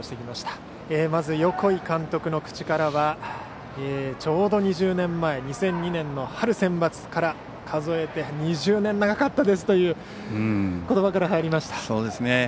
まず、横井監督の口からはちょうど２０年前２００２年の春センバツから数えて２０年と、長かったですという言葉から入りました。